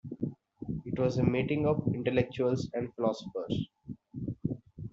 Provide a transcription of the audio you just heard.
It was a meeting of intellectuals and philosophers.